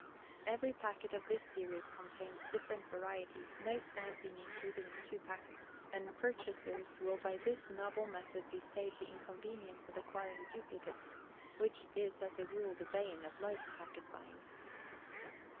EVERY Packet of this series contains different varieties, no Stamp being included in two Packets, and purchasers will by this novel method be saved the inconvenience of acquiring duplicates, which is as a rule the bane of most packet buying.